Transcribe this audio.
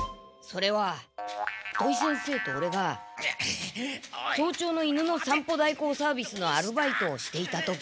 それは土井先生とオレが早朝の犬の散歩代行サービスのアルバイトをしていた時。